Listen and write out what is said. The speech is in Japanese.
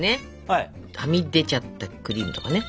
はみ出ちゃったクリームとかね